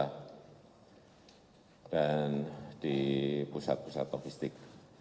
sampai jumpa lagi di pusat pusat logistik